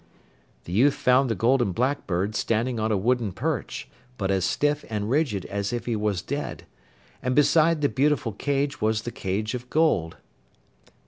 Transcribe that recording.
The youth found the Golden Blackbird standing on a wooden perch, but as stiff and rigid as if he was dead. And beside the beautiful cage was the cage of gold.